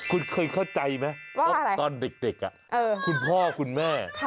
คุณเคยเข้าใจไหมว่าตอนเด็กคุณพ่อคุณแม่